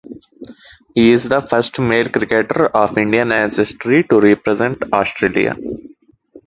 He is the first male cricketer of Indian ancestry to represent Australia.